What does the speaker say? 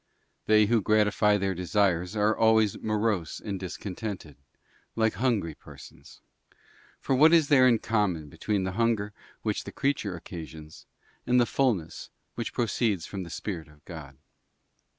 They who gratify their desires are always morose and discontented, like hungry persons: for what is there in common between the hunger which the creature occasions, and the fulness which proceeds from the Spirit of God?